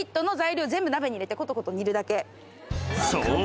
［そう。